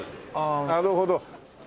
あなるほど。